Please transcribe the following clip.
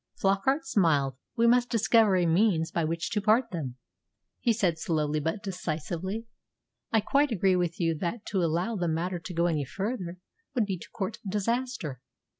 Flockart smiled. "We must discover a means by which to part them," he said slowly but decisively. "I quite agree with you that to allow the matter to go any further would be to court disaster.